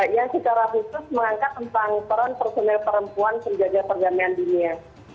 yang secara khusus mengangkat tentang peran personil perempuan penjaga perdamaian dunia